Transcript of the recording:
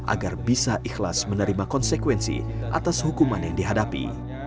agar bisa ikhlas menerima konsekuensi atas hukuman yang dihadapi